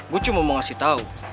gua cuma mau ngasih tau